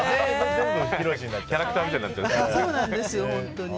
キャラクターみたいになっちゃう。